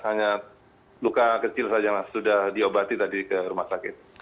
hanya luka kecil saja sudah diobati tadi ke rumah sakit